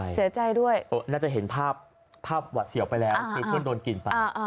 เสียใจด้วยน่าจะเห็นภาพภาพหวัดเสียวไปแล้วคือเพื่อนโดนกินไป